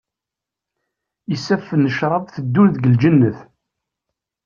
Isaffen n ccrab teddun deg lǧennet.